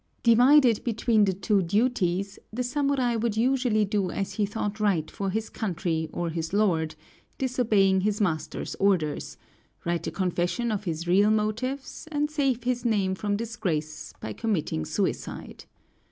Divided between the two duties, the samurai would usually do as he thought right for his country or his lord, disobeying his master's orders; write a confession of his real motives; and save his name from disgrace by committing suicide.